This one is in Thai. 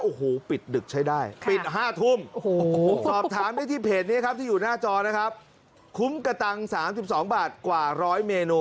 โอ้โหปิดดึกใช้ได้ปิด๕ทุ่ม